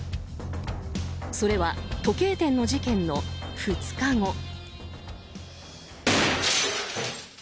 それは時計店の事件の２日後。